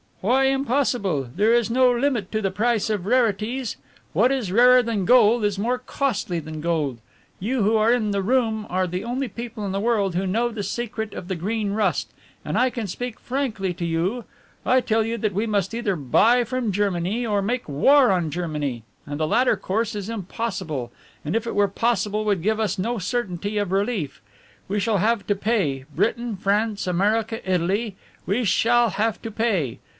"Why impossible? There is no limit to the price of rarities. What is rarer than gold is more costly than gold. You who are in the room are the only people in the world who know the secret of the Green Rust, and I can speak frankly to you. I tell you that we must either buy from Germany or make war on Germany, and the latter course is impossible, and if it were possible would give us no certainty of relief. We shall have to pay, Britain, France, America, Italy we shall have to pay.